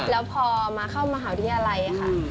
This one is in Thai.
แล้วพอมาเข้ามหาวิทยาลัยค่ะ